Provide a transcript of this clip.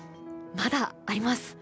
まだあります。